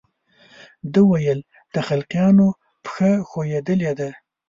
ده ویل د خلقیانو پښه ښویېدلې ده.